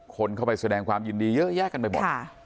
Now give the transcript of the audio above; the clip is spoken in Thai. คนเข้าไปแสดงความยินดีเยอะแยะกันไปหมด